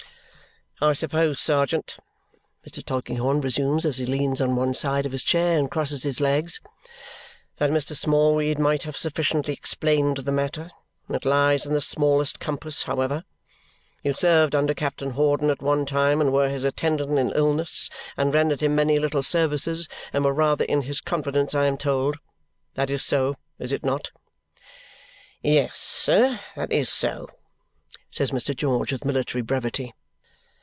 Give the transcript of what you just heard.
"I supposed, sergeant," Mr. Tulkinghorn resumes as he leans on one side of his chair and crosses his legs, "that Mr. Smallweed might have sufficiently explained the matter. It lies in the smallest compass, however. You served under Captain Hawdon at one time, and were his attendant in illness, and rendered him many little services, and were rather in his confidence, I am told. That is so, is it not?" "Yes, sir, that is so," says Mr. George with military brevity.